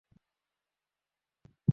আর আপনি সেখানে আরো বন্দুক পাঠাতে চান?